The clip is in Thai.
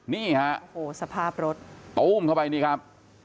นี่ฮะโอ้โหสภาพรถตู้มเข้าไปนี่ครับ